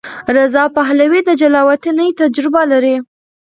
رضا پهلوي د جلاوطنۍ تجربه لري.